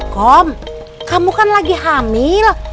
kom kamu kan lagi hamil